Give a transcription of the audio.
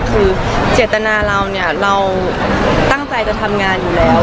คือเจตนาเราเนี่ยเราตั้งใจจะทำงานอยู่แล้ว